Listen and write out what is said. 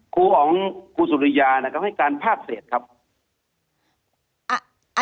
ครูของครูสุริยานะครับให้การภาคเศษครับ